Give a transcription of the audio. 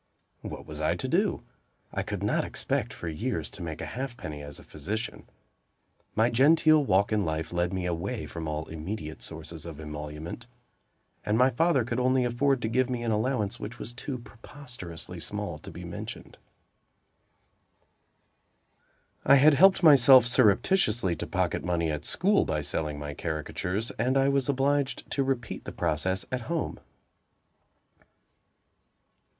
What was I to do? I could not expect for years to make a halfpenny, as a physician. My genteel walk in life led me away from all immediate sources of emolument, and my father could only afford to give me an allowance which was too preposterously small to be mentioned. I had helped myself surreptitiously to pocket money at school, by selling my caricatures, and I was obliged to repeat the process at home!